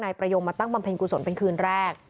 ประโยงมาตั้งบำเพ็ญกุศลเป็นคืนแรก